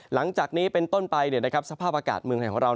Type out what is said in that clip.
หลังจากนี้เป็นต้นไปเนี่ยนะครับสภาพอากาศเมืองของเรา